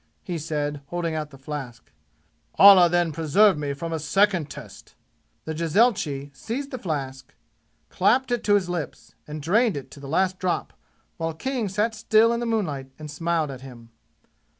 he said, holding out the flask. "Allah then preserve me from a second test!" The jezailchi seized the flask, clapped it to his lips and drained it to the last drop while King sat still in the moonlight and smiled at him.